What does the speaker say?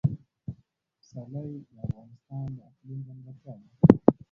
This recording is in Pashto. پسرلی د افغانستان د اقلیم ځانګړتیا ده.